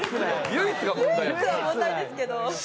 唯一は問題ですけど。